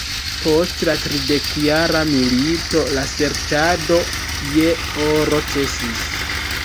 Post la Tridekjara milito la serĉado je oro ĉesis.